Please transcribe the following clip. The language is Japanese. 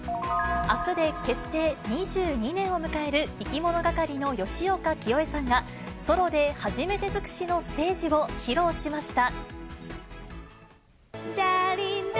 あすで結成２２年を迎えるいきものがかりの吉岡聖恵さんが、ソロで初めて尽くしのステージを披露しました。